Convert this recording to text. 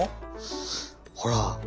ほら！